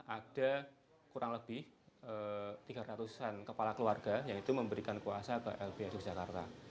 ada kurang lebih tiga ratus an kepala keluarga yaitu memberikan kuasa ke lbh yogyakarta